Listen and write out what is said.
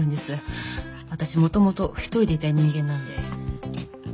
私もともと一人でいたい人間なので。